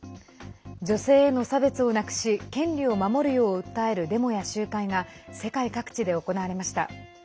女性への差別をなくし権利を守るよう訴えるデモや集会が世界各地で行われました。